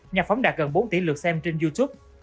nhạc phóng đạt gần bốn tỷ lượt xem trên youtube